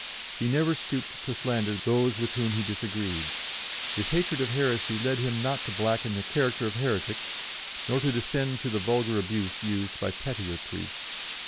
He never stooped to slander those with whom he disagreed. His hatred of heresy led him not to blacken the character of heretics, nor to descend to the vulgar abuse used by pettier priests.